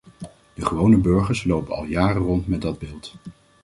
De gewone burgers lopen al jaren rond met dat beeld.